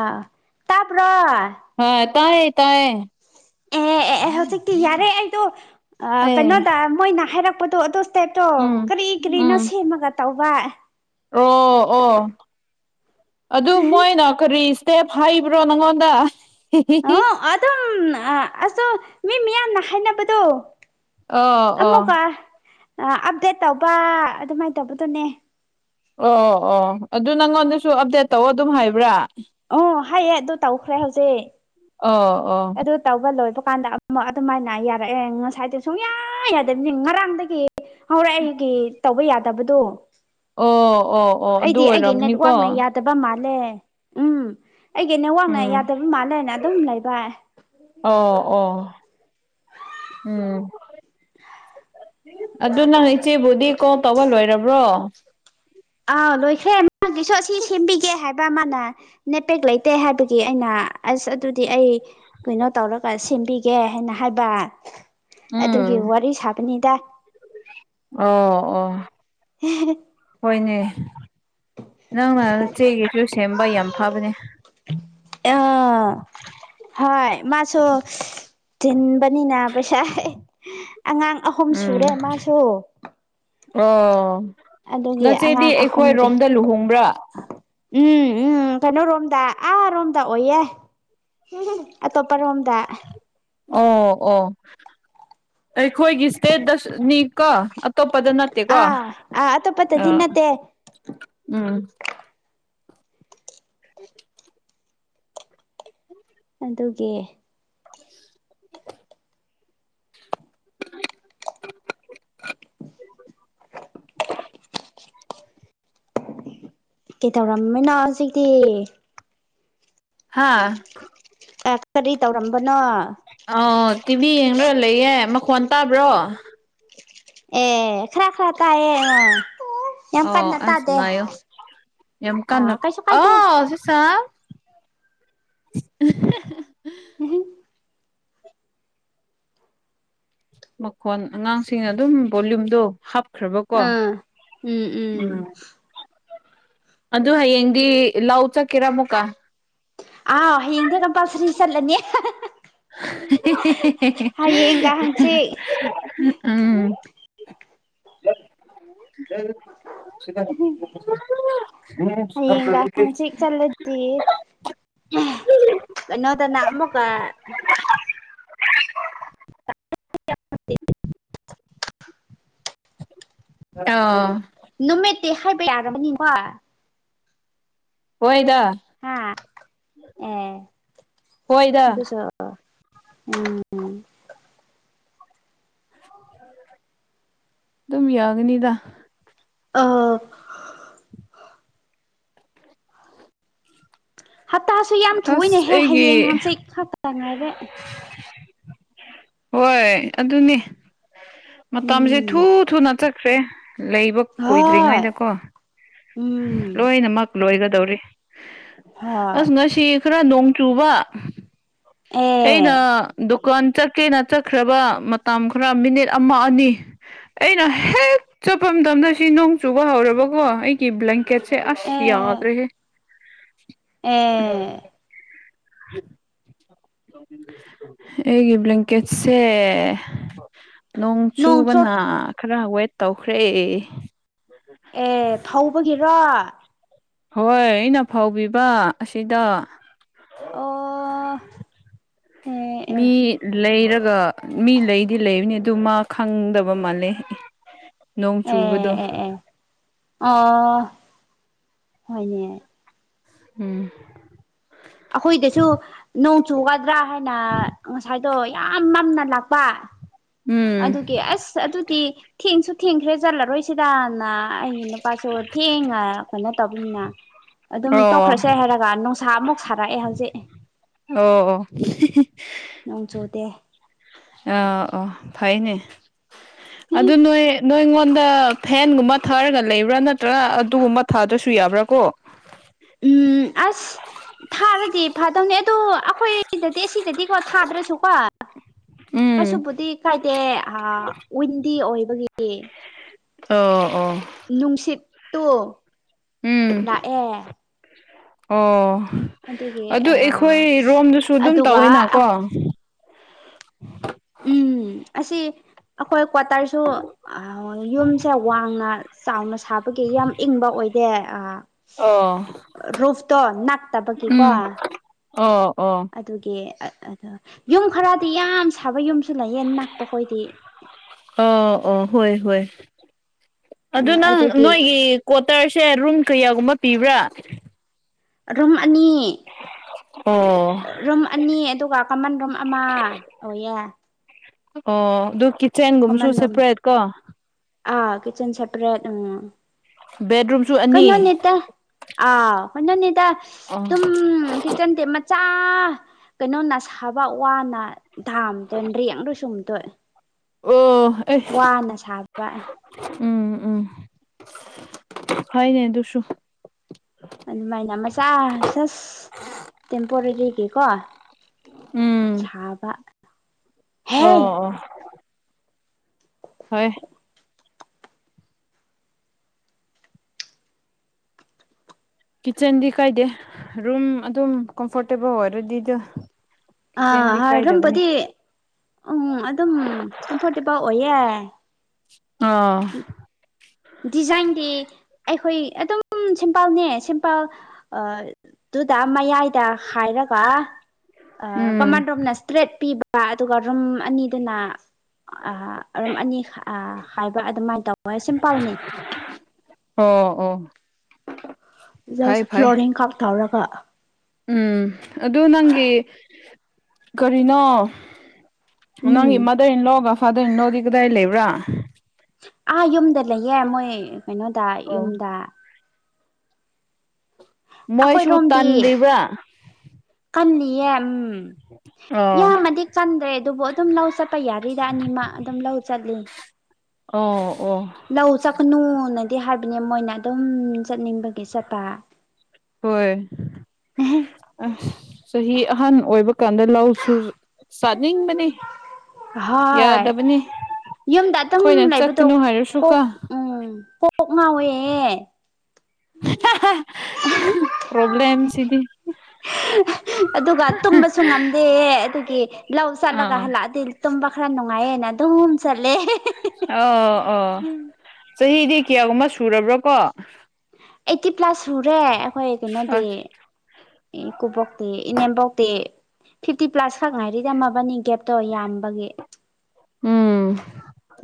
ꯑꯥ ꯇꯥꯕ꯭ꯔꯣ ꯍ ꯇꯥꯏꯌꯦ ꯇꯥꯏꯌꯦ ꯑꯦ ꯑꯦ ꯑꯦ ꯍꯧꯖꯤꯛꯇꯤ ꯌꯥꯔꯦ ꯑꯩꯗꯣ ꯑꯩ ꯀꯩꯅꯣꯗ ꯃꯣꯏꯅ ꯍꯥꯏꯔꯛꯄꯗꯣ ꯑꯗꯨ ꯏꯁꯇꯦꯞꯇꯣ ꯎꯝ ꯀꯔꯤ ꯀꯔꯤꯅꯣ ꯎꯝ ꯁꯦꯝꯃꯒ ꯇꯧꯕ ꯑꯣ ꯑꯣ ꯑꯗꯨ ꯃꯣꯏꯅ ꯀꯔꯤ ꯇꯦꯞ ꯐꯥꯏꯕ꯭ꯔꯣ ꯅꯪꯉꯣꯟꯗ ꯑꯣ ꯑꯗꯨꯝ ꯑ ꯑꯁꯣ ꯃꯤ ꯃꯤꯌꯥꯝꯅ ꯍꯥꯏꯅꯕꯗꯣ ꯑꯣ ꯑꯣ ꯄ ꯑ ꯑꯞꯗꯦꯠ ꯇꯧꯕ ꯑꯗꯨꯃꯥꯏꯅ ꯇꯧꯕꯗꯨꯅꯦ ꯑꯣ ꯑꯣ ꯑꯗꯨ ꯅꯪꯉꯣꯟꯗꯁꯨ ꯑꯞꯗꯦꯠ ꯇꯧ ꯑꯗꯨꯝ ꯍꯥꯏꯕ꯭ꯔꯥ ꯑꯣ ꯍꯥꯏꯌꯦ ꯑꯗꯨ ꯇꯧꯈ꯭ꯔꯦ ꯍꯧꯖꯤꯛ ꯑꯣ ꯑꯣ ꯑꯗꯨ ꯇꯧꯕ ꯂꯣꯏꯕ ꯀꯥꯟꯗ ꯑꯃꯨꯛ ꯑꯗꯨꯃꯥꯏꯅ ꯌꯥꯔꯛꯑꯦ ꯉꯁꯥꯏꯗꯤ ꯁꯨꯡꯌꯥ ꯌꯥꯗꯕꯅꯤ ꯉꯔꯥꯡꯗꯒꯤ ꯍꯧꯔꯦ ꯑꯩꯒꯤ ꯇꯧꯕ ꯌꯥꯗꯕꯗꯣ ꯑꯣ ꯑꯣ ꯑꯣ ꯑꯗꯨ ꯑꯣꯏꯔꯝꯅꯤꯀꯣ ꯇꯕ ꯃꯥꯜꯂꯦ ꯎꯝ ꯑꯩꯒꯤ ꯅꯦꯋꯥꯛꯅ ꯎꯝ ꯌꯥꯗꯕ ꯃꯥꯜꯂꯦꯅ ꯑꯗꯨꯝ ꯂꯩꯕ ꯑꯣ ꯑꯣ ꯎꯝ ꯑꯗꯨ ꯅꯪ ꯏꯆꯦꯕꯨꯗꯤ ꯀꯣꯜ ꯇꯧꯕ ꯂꯣꯏꯔꯕ꯭ꯔꯣ ꯑꯥꯎ ꯂꯣꯏꯈ꯭ꯔꯦ ꯃꯥꯁꯤꯁꯨ ꯑꯁꯤ ꯁꯦꯝꯕꯤꯒꯦ ꯍꯥꯏꯕ ꯃꯥꯅ ꯅꯦꯄꯦꯛ ꯂꯩꯇꯦ ꯍꯥꯏꯕꯒꯤ ꯑꯩꯅ ꯑꯁ ꯑꯗꯨꯗꯤ ꯑꯩ ꯀꯩꯅꯣ ꯇꯧꯔꯒ ꯁꯦꯝꯕꯤꯒꯦ ꯍꯥꯏꯅ ꯍꯥꯏꯕ ꯑꯗꯨꯒꯤ ꯎꯝ ꯋꯥꯔꯤ ꯁꯥꯕꯅꯤꯗ ꯑꯣ ꯑꯣ ꯍꯣꯏꯅꯦ ꯅꯪꯅ ꯆꯦꯒꯤꯁꯨ ꯁꯦꯝꯕ ꯌꯥꯝ ꯐꯕꯅꯦ ꯑ ꯍꯣꯏ ꯃꯥꯁꯨ ꯊꯤꯟꯕꯅꯤꯅ ꯄꯩꯁꯥ ꯑꯉꯥꯡ ꯑꯍꯨꯝ ꯎꯝ ꯁꯨꯔꯦ ꯃꯥꯁꯨ ꯑꯣ ꯑꯗꯨꯒꯤ ꯅꯆꯦꯗꯤ ꯑꯉꯥꯡ ꯑꯩꯈꯣꯏ ꯑꯍꯨꯝꯒꯤ ꯔꯣꯝꯗ ꯂꯨꯍꯣꯡꯕ꯭ꯔꯥ ꯎꯝ ꯎꯝ ꯀꯩꯅꯣ ꯔꯣꯝꯗ ꯑꯥꯔꯣꯝꯗ ꯑꯣꯏꯌꯦ ꯑꯇꯣꯞꯄꯔꯣꯝꯗ ꯑꯣ ꯑꯣ ꯑꯩꯈꯣꯏꯒꯤ ꯁꯇꯦꯠ ꯗꯁ ꯅꯤ ꯀꯣ ꯑꯇꯣꯞꯄꯗ ꯅꯠꯇꯦꯀꯣ ꯑꯥ ꯑꯇꯣꯞꯄꯇꯗꯤ ꯑꯥ ꯅꯠꯇꯦ ꯎꯝ ꯎꯝ ꯑꯗꯨꯒꯤ [inaudible] ꯀꯩꯇꯧꯔꯝꯃꯤꯅꯣ ꯍꯧꯖꯤꯛꯇꯤ ꯍꯥꯥ ꯑꯦ ꯀꯔꯤ ꯇꯧꯔꯝꯕꯅꯣ ꯑ ꯇꯤꯚꯤ ꯌꯦꯡꯔ ꯂꯩꯌꯦ ꯃꯈꯣꯟ ꯇꯥꯕ꯭ꯔꯣ ꯑꯦ ꯈꯔ ꯈꯔ ꯇꯥꯏꯌꯦ ꯌꯥꯝ ꯑꯣ ꯀꯟꯅ ꯑꯁ ꯇꯥꯗꯦ ꯉꯥꯏꯌꯨ ꯌꯥꯝ ꯑꯥ ꯀꯥꯟꯅ ꯀꯩꯁꯨ ꯑ ꯀꯥꯏꯗꯦ ꯁꯤ ꯁꯥꯥ [unintelligible] [unintelligible] ꯃꯈꯣꯟ ꯑꯉꯥꯡꯁꯤꯡꯅ ꯑꯗꯨꯝ ꯚꯣꯂꯨꯝꯗꯣ ꯍꯥꯞ ꯈ꯭ꯔꯕꯀꯣ ꯑꯥ ꯎꯝ ꯑꯗꯨ ꯍꯌꯦꯡꯗꯤ ꯂꯧ ꯆꯠꯀꯦꯔꯥ ꯑꯃꯨꯛꯀꯥ ꯑꯧ ꯍꯌꯦꯡꯗꯤ ꯀꯝꯄꯜꯁꯔꯤ ꯆꯠꯂꯅꯤ ꯍꯌꯦꯡꯒ ꯍꯪꯆꯤꯠ ꯎꯝ [unintelligible] ꯇꯤ ꯀꯩꯅꯣꯗꯅ ꯑꯃꯨꯛꯀ [inaudible] [unintelligible] ꯅꯨꯃꯤꯠꯇꯤ ꯍꯥꯏꯕ ꯌꯥꯔꯕꯅꯤꯀꯣ ꯍꯣꯏꯗ ꯑꯦ ꯍꯣꯏꯗ ꯎꯝ ꯗꯨꯝ ꯌꯥꯒꯅꯤꯗ ꯑꯥ ꯍꯞꯇꯥꯁꯨ ꯌꯥꯝ ꯑꯁ ꯊꯨꯋꯦꯅꯦꯍꯦ ꯍꯌꯦꯡ ꯑꯩꯒꯤ ꯍꯪꯆꯤꯛ ꯈꯛꯇ ꯉꯥꯏꯔꯦ ꯍꯣꯏ ꯑꯗꯨꯅꯦ ꯃꯇꯝꯖꯦ ꯊꯨ ꯊꯨꯅ ꯆꯛꯈ꯭ꯔꯦ ꯂꯩꯕ ꯀꯨꯏꯗ꯭ꯔꯤꯉꯩꯗꯀꯣ ꯂꯣꯏꯅꯃꯛ ꯂꯣꯏꯒꯗꯧꯔꯤ ꯑꯁ ꯉꯁꯤꯛ ꯈꯔ ꯅꯣꯡ ꯆꯨꯕ ꯑꯩꯅ ꯗꯨꯀꯥꯟ ꯆꯠꯀꯦꯅ ꯆꯠꯈ꯭ꯔꯕ ꯃꯇꯝ ꯈꯔ ꯃꯤꯅꯤꯠ ꯑꯃ ꯑꯅꯤ ꯑꯩꯅ ꯍꯦꯛ ꯆꯠꯄ ꯃꯇꯝꯗ ꯁꯤ ꯅꯣꯡ ꯆꯨꯕ ꯍꯧꯔꯕꯀꯣ ꯑꯩꯛ ꯀꯤ ꯕ꯭ꯂꯦꯡꯀꯦꯠꯁꯦ ꯑꯁ ꯌꯥꯗ꯭ꯔꯦꯍꯦ [unintelligible] ꯑꯩꯒꯤ ꯕ꯭ꯂꯦꯡꯀꯦꯠꯁꯦ ꯅꯣꯡ ꯆꯣꯠ ꯆꯨꯕꯅ ꯈꯔ ꯋꯦꯠ ꯇꯧꯈ꯭ꯔꯦ ꯑꯦ ꯐꯧꯕꯒꯤꯔꯣ ꯍꯣꯏ ꯑꯩꯅ ꯐꯧꯕꯤꯕ ꯑꯁꯤꯗ ꯑꯣ ꯑꯦ ꯑꯦ ꯃꯤ ꯂꯩꯔꯒ ꯃꯤ ꯂꯩꯗꯤ ꯂꯩꯕꯅꯤ ꯇꯨ ꯃꯥ ꯈꯪꯗꯕ ꯃꯥꯜꯂꯦ ꯅꯣꯡ ꯑꯦ ꯆꯨꯕꯗꯣ ꯑꯦ ꯑꯦ ꯑꯣ ꯍꯣꯏꯅꯦ ꯎꯝ ꯑꯈꯣꯏꯗꯁꯨ ꯅꯣꯡ ꯆꯨꯒꯥꯗ꯭ꯔꯥ ꯍꯥꯏꯅ ꯉꯁꯥꯏꯗꯣ ꯌꯥꯝ ꯃꯝꯅ ꯂꯥꯛꯄ ꯎꯝ ꯑꯗꯨꯒꯤ ꯑꯁ ꯑꯗꯨꯇꯤ ꯊꯦꯡꯁꯨ ꯊꯦꯡꯈ꯭ꯔꯦ ꯆꯠꯂꯔꯣꯏꯁꯤ ꯁꯤꯗꯥꯅ ꯑꯩꯒꯤ ꯅꯨꯄꯥꯁꯨ ꯊꯦꯡꯅ ꯀꯩꯅꯣ ꯇꯧꯕꯅꯤꯅ ꯑꯗꯨꯝ ꯑꯣ ꯇꯣꯛꯈ꯭ꯔꯁꯦ ꯍꯥꯏꯔꯒ ꯅꯨꯡꯁꯥ ꯑꯃꯨꯛ ꯁꯥꯔꯛꯑꯦ ꯍꯧꯖꯤꯛ ꯑꯣ ꯑꯣ ꯅꯣꯡ ꯆꯨꯗꯦ ꯑꯥ ꯑꯣ ꯐꯩꯅꯦ ꯑꯗꯨ ꯅꯣꯏ ꯅꯣꯏꯉꯣꯟꯗ ꯐꯦꯟꯒꯨꯝꯕ ꯊꯥꯔꯒ ꯂꯩꯕ꯭ꯔꯥ ꯅꯠꯇ꯭ꯔꯒ ꯑꯗꯨꯒꯨꯝꯕ ꯊꯥꯗ꯭ꯔꯁꯨ ꯌꯥꯕ꯭ꯔꯥ ꯀꯣ ꯎꯝ ꯑꯁ ꯊꯥꯔꯗꯤ ꯐꯗꯧꯅꯦ ꯑꯗꯨ ꯑꯈꯣꯏꯗꯗꯤ ꯑꯁꯤꯗꯗꯤꯀꯣ ꯊꯥꯗ꯭ꯔꯁꯨ ꯄꯥ ꯎꯝ ꯀꯩꯁꯨꯕꯨꯗꯤ ꯀꯥꯏꯗꯦ ꯑꯥ ꯋꯤꯟꯗꯤ ꯑꯣꯏꯕꯒꯤꯗꯤ ꯑꯣ ꯑꯣ ꯅꯨꯡꯁꯤꯠꯇꯨ ꯎꯝ ꯂꯥꯑꯦ ꯑꯣ ꯑꯗꯨꯒꯤ ꯑꯗꯨ ꯑꯦꯈꯣꯏ ꯔꯣꯝꯗꯁꯨ ꯑꯗꯨꯝ ꯑꯗꯨꯒ ꯇꯧꯋꯦꯅꯀꯣ ꯎꯝ ꯑꯁꯤ ꯑꯈꯣꯏ ꯀ꯭ꯋꯥꯇꯔꯁꯨ ꯑ ꯌꯨꯝꯁꯦ ꯋꯥꯡꯅ ꯆꯥꯎꯅ ꯁꯥꯕꯒꯤ ꯌꯥꯝ ꯏꯪꯕ ꯑꯣꯏꯗꯦ ꯑ ꯑꯣ ꯔꯨꯐꯇꯣ ꯅꯛꯇꯕꯒꯤꯀꯣ ꯎꯝ ꯑꯣ ꯑꯣ ꯑꯗꯨꯒꯤ ꯑꯠ ꯑꯗ ꯑꯗ ꯌꯨꯝ ꯈꯔꯗꯤ ꯌꯥꯝ ꯁꯥꯕ ꯌꯨꯝꯁꯨ ꯂꯩꯌꯦ ꯅꯛꯄ ꯈꯣꯏꯗꯤ ꯑꯣ ꯑꯣ ꯍꯣꯏ ꯍꯣꯏ ꯑꯗꯨ ꯎꯝ ꯅꯪ ꯑꯗꯨꯒꯤ ꯅꯣꯏꯒꯤ ꯀ꯭ꯋꯥꯇꯔꯁꯦ ꯔꯨꯝ ꯀꯌꯥꯒꯨꯝꯕ ꯄꯤꯕ꯭ꯔꯥ ꯔꯨꯝ ꯑꯅꯤ ꯑꯣ ꯔꯨꯝ ꯑꯅꯤ ꯑꯗꯨꯒ ꯀꯃꯟ ꯔꯨꯝ ꯑꯃ ꯑꯣꯏꯌꯦ ꯑꯣ ꯑꯗꯨ ꯀꯤꯠꯆꯦꯟꯒꯨꯝꯕꯁꯨ ꯁꯦꯄꯔꯦꯠ ꯀꯣ ꯑ ꯀꯤꯆꯟ ꯁꯦꯄꯔꯦꯠ ꯎꯝ ꯕꯦꯠꯔꯨꯝꯁꯨ ꯑꯅꯤ ꯑ ꯀꯩꯅꯣꯅꯤꯗ ꯑꯣ ꯗꯨꯝ ꯀꯤꯆꯟ ꯃ ꯆ ꯀꯩꯅꯣꯅ ꯁꯥꯕ ꯋꯥꯅ ꯗꯥꯝꯗꯣꯏ ꯅ꯭ꯔꯦꯡꯗ ꯁꯨꯝꯗꯣꯏ ꯑꯣ ꯑꯦ ꯋꯥꯅ ꯁꯥꯕ ꯎꯝ ꯎꯝ ꯐꯩꯅꯦ ꯑꯗꯨꯁꯨ ꯑꯗꯨꯃꯥꯏꯅ ꯃꯆꯥ ꯁꯁ ꯇꯦꯝꯄꯣꯔꯔꯤꯒꯤꯀꯣ ꯎꯝ ꯁꯥꯕ ꯑꯣ ꯍꯦ ꯑꯣ ꯍꯣꯏ ꯀꯤꯠꯆꯟꯗꯤ ꯀꯥꯏꯗꯦ ꯔꯨꯝ ꯑꯗꯨꯝ ꯀꯝꯐꯣꯔꯇꯦꯕꯜ ꯑꯣꯏꯔꯗꯤ ꯑꯗꯨ ꯑꯥ ꯍꯥꯏꯔꯝꯕꯗꯤ ꯎꯝ ꯑꯗꯨꯝ ꯀꯝꯐꯣꯔꯇꯦꯕꯜ ꯑꯣꯏꯌꯦ ꯑꯥ ꯗꯤꯖꯥꯏꯟꯗꯤ ꯑꯩꯈꯣꯏ ꯑꯗꯨꯝ ꯁꯤꯝꯄꯜꯅꯦ ꯁꯤꯝꯄꯜ ꯑ ꯑꯗꯨꯗ ꯃꯌꯥꯏꯗ ꯍꯥꯏꯔꯒ ꯑ ꯎꯝ ꯀꯃꯥꯟ ꯔꯣꯝꯅꯦꯁ ꯇꯔꯦꯠ ꯄꯤꯕ ꯑꯗꯨꯒ ꯔꯨꯝ ꯑꯅꯤꯗꯨꯅ ꯑ ꯔꯨꯝ ꯑꯅꯤ ꯑ ꯍꯥꯏꯕ ꯑꯗꯨꯃꯥꯏꯅ ꯇꯧꯋꯦꯁ ꯑꯣ ꯑꯣ ꯐꯩ ꯖꯁ ꯐꯩ ꯐ꯭ꯂꯣꯔꯤꯡ ꯀꯞ ꯊꯧꯔꯒ ꯎꯝ ꯑꯗꯨ ꯅꯪꯒꯤ ꯀꯔꯤꯅꯣ ꯎꯝ ꯅꯪꯒꯤ ꯃꯥꯗꯔ ꯏꯟꯂꯣꯒ ꯐꯥꯗꯔ ꯏꯟꯂꯣꯒꯤ ꯀꯗꯥꯏ ꯂꯩꯕ꯭ꯔꯥ ꯑꯥ ꯌꯨꯝꯗ ꯂꯩꯌꯦ ꯃꯣꯏ ꯀꯩꯅꯣꯗ ꯑꯣ ꯌꯨꯝꯗ ꯃꯣꯏꯁꯨ ꯇꯟꯔꯤꯕ꯭ꯔꯥ ꯀꯅꯤꯌꯦ ꯎꯝ ꯑꯥ ꯌꯥꯝꯃꯗꯤ ꯀꯟꯗ꯭ꯔꯦ ꯑꯗꯨꯕꯨ ꯑꯗꯨꯝ ꯂꯧ ꯆꯠꯄ ꯌꯥꯔꯤꯗ ꯑꯅꯤꯃꯛ ꯑꯗꯨꯝ ꯂꯧ ꯆꯠꯂꯤ ꯑꯣ ꯑꯣ ꯂꯧ ꯆꯠꯀꯅꯨꯅꯗꯤ ꯍꯥꯏꯕꯅꯦ ꯃꯣꯏꯅ ꯑꯗꯨꯝ ꯆꯠꯅꯤꯡꯕ ꯍꯣꯏ ꯑꯁ ꯆꯍꯤ ꯑꯍꯥꯟ ꯑꯣꯏꯕ ꯀꯥꯟꯗ ꯂꯧꯁꯨ ꯆꯥꯅꯤꯡꯕꯅꯤ ꯍꯥꯏ ꯌꯥꯗꯕꯅꯤ ꯌꯨꯝꯗ ꯑꯗꯨꯝ ꯑꯩꯈꯣꯏꯅ ꯂꯩꯕꯗꯣ ꯆꯠꯀꯅꯨ ꯀꯣꯛ ꯍꯥꯏꯔꯁꯨꯀꯣ ꯎꯝ ꯀꯣꯛ ꯉꯥꯎꯋꯦꯌꯦ [unintelligible] ꯄ꯭ꯔꯣꯕꯂꯦꯝ ꯁꯤꯗꯤ ꯑꯗꯨꯒ ꯇꯨꯝꯕꯁꯨ ꯉꯝꯗꯦ ꯑꯗꯨꯒꯤ ꯂꯧ ꯆꯠꯂꯒ ꯑꯥ ꯍꯜꯂꯛꯑꯗꯤ ꯇꯨꯝꯕ ꯈꯔ ꯅꯨꯡꯉꯥꯏꯌꯦꯅ ꯑꯗꯨꯝ ꯆꯠꯂꯦ ꯑꯧ ꯑꯣ ꯆꯍꯤꯗꯤ ꯀꯌꯥꯒꯨꯝꯕ ꯁꯨꯔꯕ꯭ꯔꯣꯀꯣ ꯑꯩꯠꯇꯤ ꯄ꯭ꯂꯁ ꯁꯨꯔꯦ ꯑꯈꯣꯏ ꯀꯩꯅꯣꯗꯤ ꯑꯁ ꯏꯀꯨꯕꯣꯛꯇꯦ ꯏꯅꯦꯝꯕꯣꯛꯇꯤ ꯐꯤꯐꯇꯤ ꯄ꯭ꯂꯥꯁ ꯈꯛ ꯉꯥꯏꯔꯤꯗ ꯃꯕꯥꯅꯤꯗꯤ ꯀꯦꯞꯇꯣ ꯌꯥꯝꯕꯒꯤ ꯎꯝ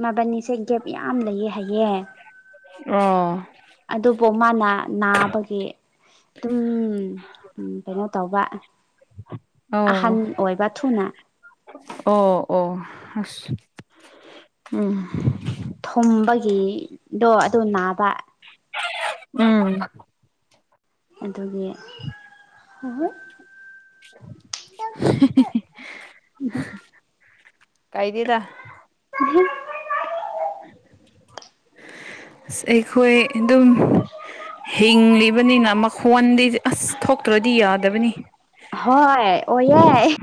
ꯃꯕꯥꯟꯅꯤꯁꯦ ꯒꯦꯞ ꯌꯥꯝ ꯂꯩꯌꯦ ꯍꯥꯏꯌꯦ ꯑꯣ ꯑꯗꯨꯕꯨ ꯃꯥꯅ ꯅꯥꯕꯒꯤ ꯑꯗꯨꯝ ꯀꯩꯅꯣ ꯇꯧꯕ ꯑꯍꯟ ꯑꯣ ꯑꯣꯏꯕ ꯊꯨꯅ ꯑꯣ ꯑꯣ ꯑꯁ ꯎꯝ ꯍꯨꯝꯕꯒꯤꯗꯣ ꯑꯗꯨ ꯅꯥꯕ ꯎꯝ ꯑꯗꯨꯗꯒꯤ ꯍ ꯍꯣꯏ [inaudible] ꯀꯥꯏꯗꯦꯗ ꯎꯝ [inaudible] ꯑꯩꯈꯣꯏ ꯑꯗꯨꯝ ꯍꯤꯡꯂꯤꯕꯅꯤꯅ ꯃꯈꯣꯟꯗꯤꯗꯤ ꯑꯁ ꯊꯣꯛꯇ꯭ꯔꯗꯤ ꯌꯥꯗꯕꯅꯤ ꯍꯣꯏ ꯑꯣꯏꯌꯦ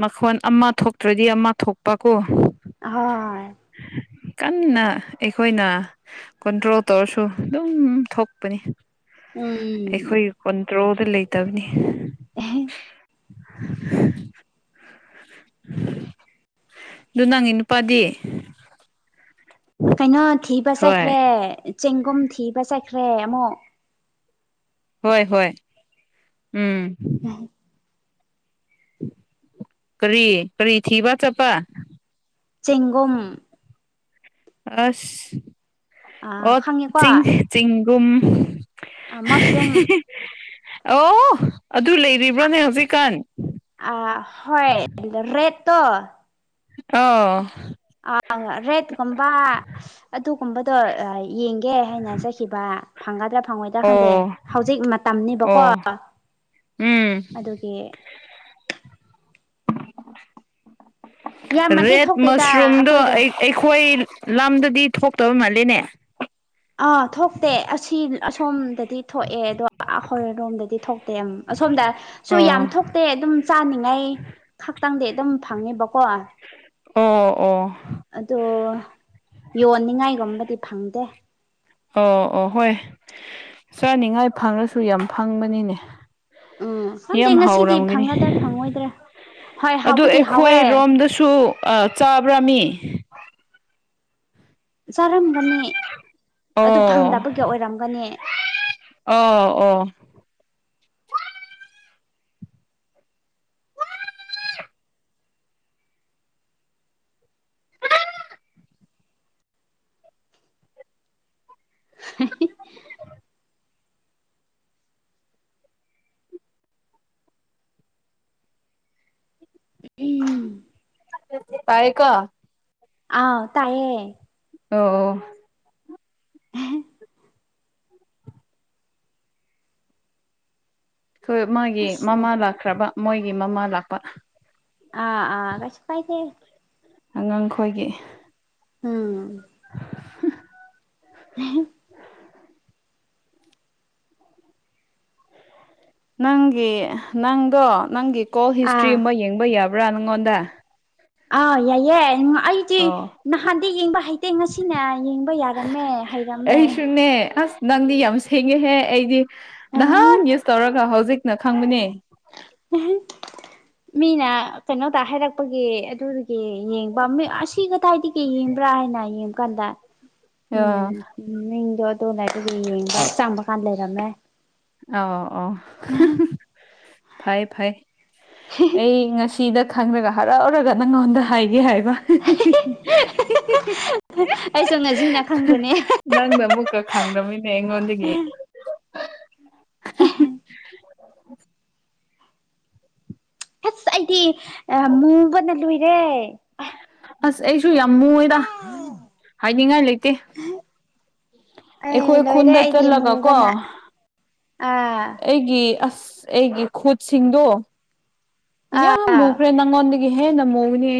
ꯃꯈꯣꯟ ꯑꯃ ꯊꯣꯛꯇ꯭ꯔꯗꯤ ꯑꯃ ꯊꯣꯛꯄ ꯀꯣ ꯑꯍꯣꯏ ꯀꯟꯅ ꯑꯩꯈꯣꯏꯅ ꯀꯟꯇ꯭ꯔꯣꯜ ꯇꯧꯔꯁꯨ ꯑꯗꯨꯝ ꯊꯣꯛꯄꯅꯤ ꯎꯝ ꯑꯩꯈꯣꯏ ꯀꯨꯟꯇ꯭ꯔꯣꯗ ꯂꯩꯇꯕꯅꯤ [inaudible] ꯑꯗꯨ ꯅꯪꯒꯤ ꯅꯨꯄꯥꯗꯤ ꯀꯩꯅꯣ ꯊꯤꯕ ꯍꯣꯏ ꯆꯠꯈ꯭ꯔꯦ ꯆꯦꯡꯒꯨꯝ ꯊꯤꯕ ꯆꯠꯈ꯭ꯔꯦ ꯑꯃꯨꯛ ꯍꯣꯏ ꯍꯣꯏ ꯎꯝ ꯎꯝ ꯀꯔꯤ ꯀꯔꯤ ꯊꯤꯕ ꯆꯠꯄ ꯆꯦꯡꯒꯨꯝ ꯑꯁ ꯑꯣ ꯈꯪꯉꯦꯀꯣ ꯆꯤꯡ ꯆꯤꯡꯒꯨꯝ ꯃꯁꯔꯨꯝ ꯑꯣ ꯑꯗꯨ ꯂꯩꯔꯤꯕ꯭ꯔꯣꯅꯦ ꯍꯧꯖꯤꯛꯀꯥꯟ ꯑ ꯍꯣꯏ ꯔꯦꯠꯠꯇꯣ ꯑꯧ ꯑ ꯔꯦꯠ ꯀꯨꯝꯝꯕ ꯑꯗꯨꯒꯨꯝꯕꯗꯣ ꯌꯦꯡꯒꯦ ꯍꯥꯏꯅ ꯆꯠꯈꯤꯕ ꯐꯪꯒꯗ꯭ꯔꯥ ꯐꯪꯉꯣꯏꯗ꯭ꯔꯥ ꯑꯣ ꯈꯪꯗꯦ ꯍꯧꯖꯤꯛ ꯃꯇꯝꯅꯤꯕꯀꯣ ꯑꯣ ꯎꯝ ꯑꯗꯨꯒꯤ ꯌꯥꯝꯅꯗꯤ ꯔꯦꯠ ꯊꯣꯛꯇꯦꯗ ꯃꯁꯔꯨꯝꯗꯣ ꯑꯩꯈꯣꯏꯗ ꯑꯩꯈꯣꯏ ꯂꯝꯗꯗꯤ ꯊꯣꯛꯇꯕ ꯃꯥꯜꯂꯦꯅꯦ ꯑꯥ ꯊꯣꯛꯇꯦ ꯑꯁꯤ ꯑꯁꯣꯝꯗ ꯗꯤ ꯊꯣꯛꯑꯦ ꯑꯗꯣ ꯑꯩꯈꯣꯏ ꯔꯣꯝꯗꯗꯤ ꯊꯣꯛꯇꯦ ꯑꯁꯣꯝꯗ ꯁꯨ ꯑꯣ ꯌꯥꯝ ꯊꯣꯛꯇꯦ ꯑꯗꯨꯝ ꯆꯥꯅꯤꯡꯉꯥꯏ ꯈꯛꯇꯪꯗꯤ ꯑꯗꯨꯝ ꯐꯪꯉꯦꯕꯀꯣ ꯑꯣ ꯑꯣ ꯑꯗꯣ ꯌꯣꯟꯅꯤꯡꯉꯥꯏꯒꯨꯝꯕꯗꯤ ꯐꯪꯗꯦ ꯑꯣ ꯑꯣ ꯍꯣꯏ ꯆꯥꯅꯤꯡꯉꯥꯏ ꯐꯪꯉꯁꯨ ꯌꯥꯝ ꯐꯪꯕꯅꯤꯅꯦ ꯎꯝ ꯈꯪꯗꯦ ꯌꯥꯝ ꯉꯁꯤꯗꯤ ꯍꯥꯎꯔꯝꯒꯅꯤ ꯐꯪꯒꯗ꯭ꯔꯥ ꯐꯪꯉꯣꯏꯗ꯭ꯔꯥ ꯍꯣꯏ ꯑꯗꯨ ꯍꯥꯎꯕꯨꯗꯤ ꯑꯩꯈꯣꯏ ꯍꯥꯎꯋꯦ ꯔꯣꯝꯗꯁꯨ ꯑꯥ ꯆꯥꯕ꯭ꯔꯥꯃꯤ ꯆꯥꯔꯝꯒꯅꯤ ꯑꯗꯨ ꯑꯣ ꯐꯪꯗꯕꯒꯤ ꯑꯣꯏꯔꯝꯒꯅꯤ ꯑꯣ ꯑꯣ ꯇꯌꯦꯀꯣ ꯑꯥꯎ ꯇꯥꯏꯌꯦ ꯑꯣ ꯑꯣ ꯊꯣꯏ ꯃꯥꯒꯤ ꯃꯃꯥ ꯂꯥꯛꯈ꯭ꯔꯕ ꯃꯣꯏꯒꯤ ꯃꯃꯥ ꯂꯥꯛꯄ ꯑꯥ ꯑꯥ ꯀꯩꯁꯨ ꯀꯥꯏꯗꯦ ꯑꯉꯥꯡꯈꯣꯏꯒꯤ ꯎꯝ [inaudible] [inaudible] ꯅꯪꯒꯤ ꯅꯪꯗꯣ ꯅꯪꯒꯤ ꯀꯣꯜ ꯑꯥ ꯍꯤꯁꯇ꯭ꯔꯤꯨꯝꯕ ꯌꯦꯡꯕ ꯌꯥꯕ꯭ꯔꯥ ꯅꯪꯉꯣꯟꯗ ꯑꯥ ꯌꯥꯏꯌꯦ ꯎꯝ ꯑꯩꯗꯤ ꯑꯣ ꯅꯍꯥꯟꯗꯤ ꯌꯦꯡꯕ ꯍꯩꯇꯦ ꯉꯁꯤꯅ ꯌꯦꯡꯕ ꯌꯥꯔꯝꯃꯦ ꯍꯩꯔꯝꯃꯦ ꯃꯦ ꯑꯥꯁ ꯅꯪꯗꯤ ꯌꯥꯝ ꯁꯦꯡꯉꯦꯍꯦ ꯑꯩꯗꯤ ꯅꯍꯥꯟ ꯌꯨꯁ ꯇꯧꯔꯒ ꯍꯧꯖꯤꯛꯅ ꯈꯪꯕꯅꯦ [inaudible] ꯃꯤꯅ ꯀꯩꯅꯣꯗ ꯍꯥꯏꯔꯛꯄꯒꯤ ꯑꯗꯨꯗꯨꯒꯤ ꯌꯦꯡꯕ ꯑꯁꯤꯒ ꯀꯥꯏꯗꯒꯤ ꯌꯦꯡꯕ꯭ꯔꯥ ꯍꯥꯏꯅ ꯌꯦꯡꯕ ꯀꯥꯟꯗ ꯑ ꯎꯝ ꯃꯤꯡꯗꯣ ꯑꯗꯨ ꯂꯩꯕꯒꯤ ꯌꯦꯡꯕ ꯆꯥꯡꯕ ꯀꯥꯟꯗ ꯂꯩꯔꯝꯃꯦ ꯑ ꯑꯣ ꯐꯩ ꯐꯩ ꯑꯩ ꯉꯁꯤ ꯁꯤꯗ ꯈꯪꯂꯒ ꯍꯔꯥꯎꯔꯒ ꯅꯪꯉꯣꯟꯗ ꯍꯥꯏꯒꯦ ꯍꯥꯏꯕ [inaudible] ꯑꯩꯁꯨ ꯉꯁꯤꯅ ꯈꯪꯕꯅꯦ [inaudible] ꯅꯪꯅ ꯑꯃꯨꯛꯀ ꯈꯪꯂꯃꯤꯟꯅꯦ ꯑꯩꯉꯣꯟꯗꯒꯤ [inaudible] ꯎꯝ [inaudible] ꯑꯁ ꯑꯩꯗꯤ ꯃꯨꯕꯅ ꯂꯨꯏꯔꯦ ꯑꯁ ꯑꯩꯁꯨ ꯌꯥꯝ ꯃꯨꯌꯦꯗ ꯍꯥꯏꯅꯤꯡꯉꯥꯏ ꯂꯩꯇꯦ ꯑꯩ ꯑꯩꯈꯣꯏ ꯂꯣꯏꯔꯦ ꯈꯨꯟꯗ ꯑꯩꯗꯤ ꯆꯠꯂꯒ ꯀꯣ ꯃꯨꯕꯅ ꯑꯥ ꯑꯩꯒꯤ ꯑꯁ ꯑꯩꯒꯤ ꯈꯨꯠꯁꯤꯡꯗꯣ ꯑ ꯌꯥꯝ ꯃꯨꯈ꯭ꯔꯦ ꯅꯪꯉꯣꯟꯗꯒꯤ ꯍꯦꯟꯅ ꯃꯨꯒꯅꯦ